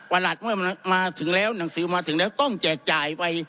หลักเมื่อมาถึงแล้วหนังสือมาถึงแล้วต้องแจกจ่ายไป